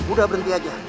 udah berhenti aja